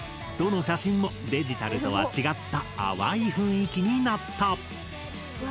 どの写真もデジタルとは違った淡い雰囲気になった。